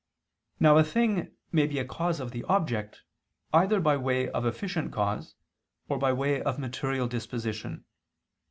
Now a thing may be a cause of the object, either by way of efficient cause, or by way of material disposition.